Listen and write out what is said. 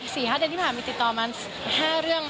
๔๕เดือนที่ผ่านไปติดต่อมา๕เรื่อง